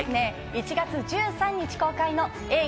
１月１３日公開の映画